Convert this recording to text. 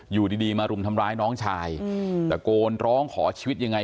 อยู่ดีมารุมทำร้ายน้องชายตะโกนร้องขอชีวิตยังไง